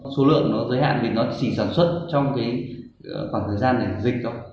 số lượng nó giới hạn vì nó chỉ sản xuất trong khoảng thời gian này dịch thôi